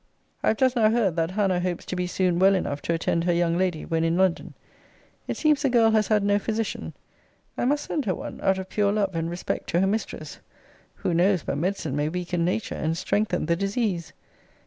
I have just now heard, that Hannah hopes to be soon well enough to attend her young lady, when in London. It seems the girl has had no physician. I must send her one, out of pure love and respect to her mistress. Who knows but medicine may weaken nature, and strengthen the disease?